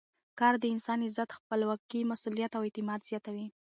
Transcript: کار د انسان عزت، خپلواکي، مسؤلیت او اعتماد زیاتوي.